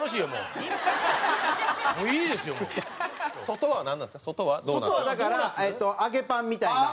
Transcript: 外はだから揚げパンみたいな。